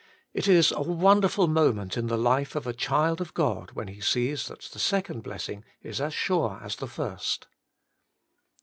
It is a wonderful moment in the life of a child of God when he sees that the second blessing is as sure as the first.